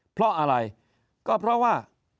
เพราะอะไรก็เพราะว่า